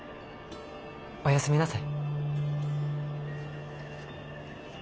おやすみなさい。